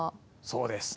そうです。